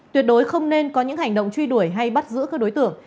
tuyệt đối không nên có những hành động truy đuổi hay bắt giữ các đối tượng